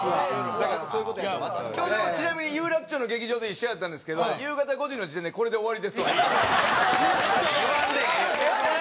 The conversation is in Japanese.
だからそういう事やと。今日でもちなみに有楽町の劇場で一緒やったんですけど夕方５時の時点で「これで終わりです」とは。言わんでええやん。